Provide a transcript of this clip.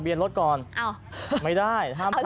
ทะเบียนรถก่อนไม่ได้ห้ามผ่าน